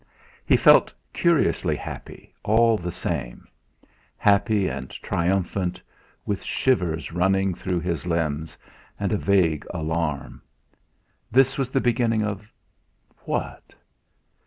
He felt curiously happy, all the same; happy and triumphant, with shivers running through his limbs, and a vague alarm. This was the beginning of what?